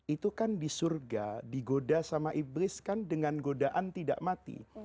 itu kan di surga digoda sama iblis kan dengan godaan tidak mati